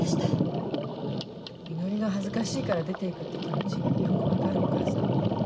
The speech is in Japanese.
みのりが恥ずかしいから出ていくって気持ちよく分かるお母さん。